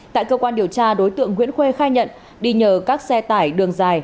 tại cơ quan điều tra đối tượng nguyễn khuê khai nhận đi nhờ các xe tải đường dài